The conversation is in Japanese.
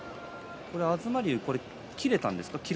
東龍、切れたんですか？